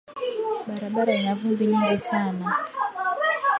Barabara ina vumbi nyingi sana